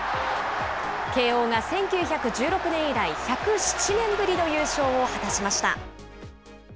慶応が１９１６年以来、１０７年ぶりの優勝を果たしました。